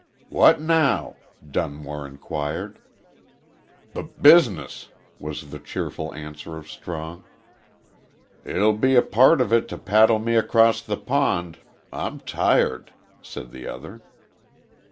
"What now?" Dunmore inquired. "B business," was the cheerful answer of Strong. "It'll be part of it to paddle me across the pond. I'm tired," said the other.